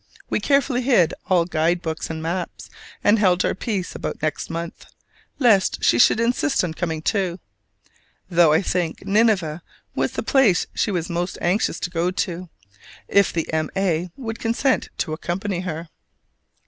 We carefully hid all guide books and maps, and held our peace about next month, lest she should insist on coming too: though I think Nineveh was the place she was most anxious to go to, if the M. A. would consent to accompany her!